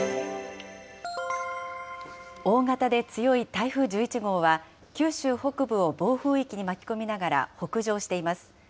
大型で強い台風１１号は、九州北部を暴風域に巻き込みながら北上しています。